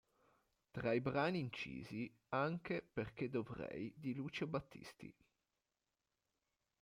Tra i brani incisi, anche "Perché dovrei" di Lucio Battisti.